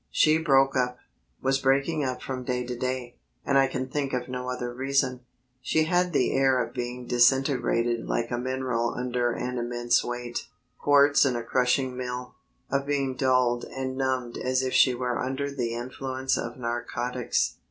She broke up, was breaking up from day to day, and I can think of no other reason. She had the air of being disintegrated, like a mineral under an immense weight quartz in a crushing mill; of being dulled and numbed as if she were under the influence of narcotics.